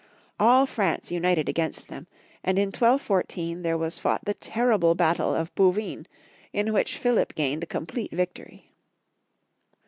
All France united against them, and in 1214 there was fought the terrible battle of Bouvines, in which Philip gained a complete victory.